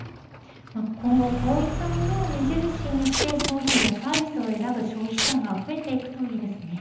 今後こういったものを目印にして商品やサービスを選ぶ消費者が増えていくといいですね。